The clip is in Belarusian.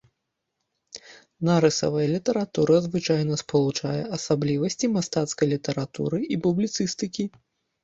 Нарысавая літаратура звычайна спалучае асаблівасці мастацкай літаратуры і публіцыстыкі.